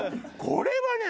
これはね。